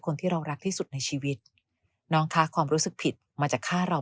คนที่เรารักที่สุดในชีวิตน้องคะความรู้สึกผิดมาจากฆ่าเรา